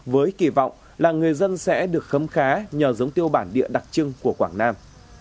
với kỳ vọng là người dân sẽ được khấm khá nhờ giống tiêu bản địa đặc trưng của quảng nam